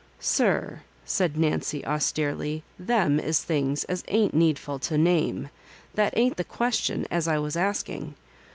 '*Sir," said Nancy, austerely, "them is things as ain't needful to name; that ain't the ques tion as I was asking.